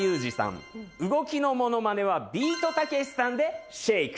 動きのモノマネはビートたけしさんでシェイク！